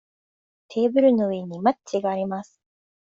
テーブルの上にマッチがあります。